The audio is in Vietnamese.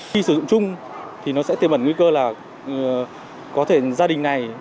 khi sử dụng chung thì nó sẽ tiềm ẩn nguy cơ là có thể gia đình này